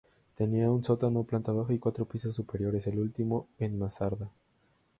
Tenía un sótano, planta baja y cuatro pisos superiores, el último en mansarda.